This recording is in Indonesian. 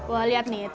wah lihat nih